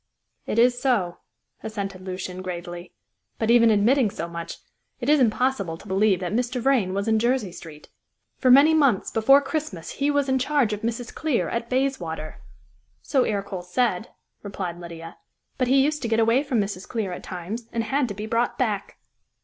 "It is so," assented Lucian gravely, "but even admitting so much, it is impossible to believe that Mr. Vrain was in Jersey Street. For many months before Christmas he was in charge of Mrs. Clear, at Bayswater." "So Ercole said," replied Lydia, "but he used to get away from Mrs. Clear at times, and had to be brought back."